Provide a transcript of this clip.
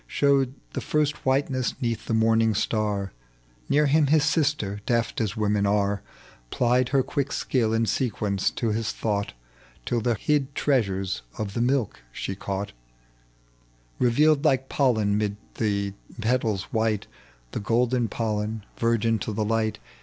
Showed the first whiteness 'neath the morning star ; Near him his sister, deft, as women are, Plied her quick sldll in sequence to his thought Till the hid treasures of the milk she caught Eeyealed like pollen 'mid the petals white, The golden pollen, virgin to the light.